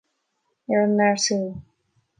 Ar an ngarsún